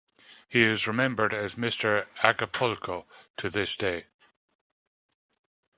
He is remembered as "Mr. Acapulco" to this day.